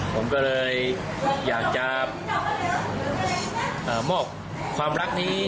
ผมก็เลยอยากจะมอบความรักนี้